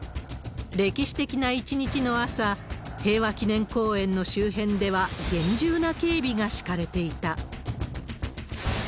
歴史的な一日の朝、平和記念公園の周辺では厳重な警備が敷かれていた。